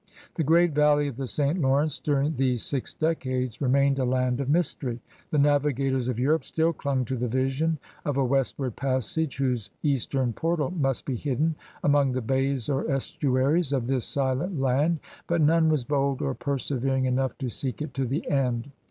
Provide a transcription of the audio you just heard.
The great valley of the St. Lawrence during these six decades remained a land of mystery. The navigators of Europe still dung to the vision of a westward passage whose eastern portal must be hidden among the bays or estuaries of this silent land, but none was bold or persevering enough to seek it to the end.